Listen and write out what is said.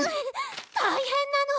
大変なの！